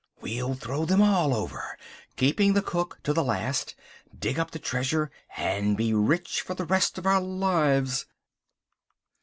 We'll throw them all over, keeping the cook to the last, dig up the treasure, and be rich for the rest of our lives."